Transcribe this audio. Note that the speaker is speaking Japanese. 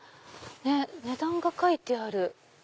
値段が書いてある。